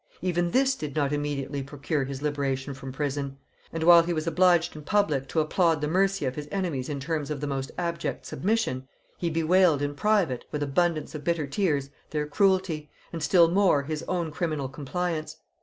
Even this did not immediately procure his liberation from prison; and while he was obliged in public to applaud the mercy of his enemies in terms of the most abject submission, he bewailed in private, with abundance of bitter tears, their cruelty, and still more his own criminal compliance.